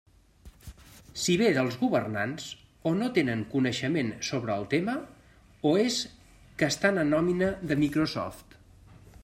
Si ve dels governants, o no tenen coneixement sobre el tema o és que estan en nòmina de Microsoft.